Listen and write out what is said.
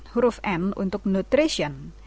huruf n untuk nutrition